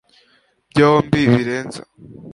Byombi birenze